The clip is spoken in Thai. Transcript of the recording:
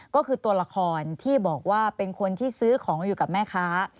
ก็คือตัวละครที่บอกว่าเป็นคนที่ซื้อของอยู่กับแม่ค้า